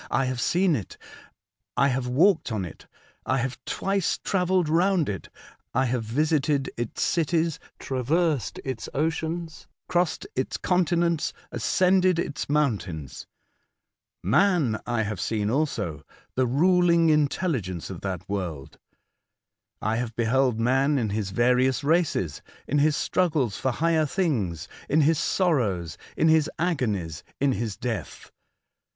I have seen it ; I have walked on it ; I have twice travelled round it ; I have visited its cities, traversed its oceans, crossed its continents, ascended its mountains. Man I have seen also — the ruling intelligence of that world. I have beheld man in his various races, in his struggles for higher things, in his sorrows, in his agonies, in his death.